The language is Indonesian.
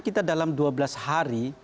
kita dalam dua belas hari